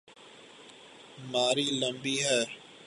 ماری لمبی ہے۔